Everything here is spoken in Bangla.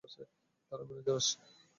দাঁড়াও, ম্যানেজার আসছে।